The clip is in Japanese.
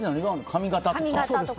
髪形とか？